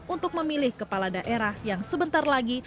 untuk memilih kepala daerah yang sebentar lagi